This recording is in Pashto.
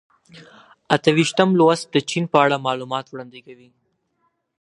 اته ویشتم لوست د چین په اړه معلومات وړاندې کوي.